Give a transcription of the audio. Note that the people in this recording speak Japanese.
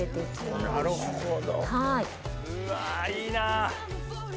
うわいいな！